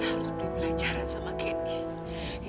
saya harus beri pelajaran sama kendi